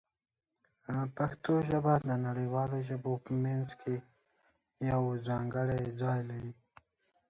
پښتو ژبه د نړیوالو ژبو په منځ کې یو ځانګړی ځای لري.